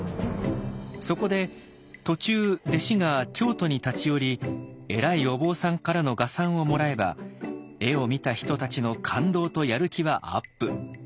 そこで途中弟子が京都に立ち寄り偉いお坊さんからの画賛をもらえば絵を見た人たちの感動とやる気はアップ。